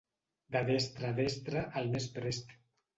De destre a destre, el més prest.